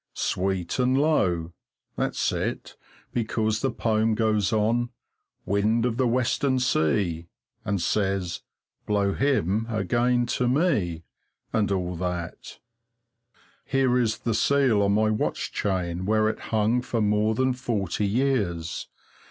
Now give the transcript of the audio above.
"Sweet and low" that's it because the poem goes on "Wind of the Western sea," and says, "blow him again to me," and all that. Here is the seal on my watch chain, where it's hung for more than forty years.